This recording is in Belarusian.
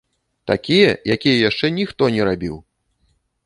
Такія, якія яшчэ ніхто не рабіў!